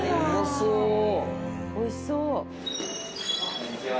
こんにちは。